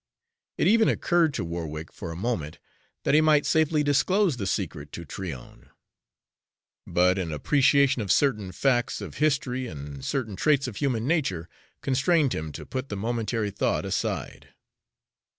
It even occurred to Warwick for a moment that he might safely disclose the secret to Tryon; but an appreciation of certain facts of history and certain traits of human nature constrained him to put the momentary thought aside.